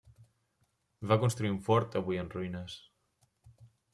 Va construir un fort avui en ruïnes.